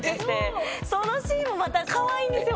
そのシーンもまたカワイイんですよ